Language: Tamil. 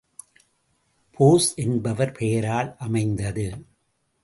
போஸ் என்பவர் பெயரால் அமைந்தது.